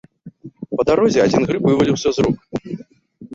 Па дарозе адзін грыб вываліўся з рук.